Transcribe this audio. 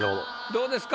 どうですか？